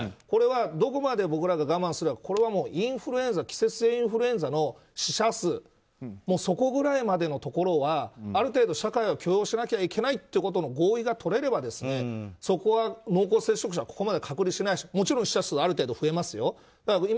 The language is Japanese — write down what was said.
これはどこまで僕らが我慢すればいいのかこれは季節性インフルエンザの死者数そこぐらいまでのところはある程度社会が許容しなきゃいけないということの合意が取れれば濃厚接触者はここまで隔離しないしもちろん、死者数はある程度増えますよ。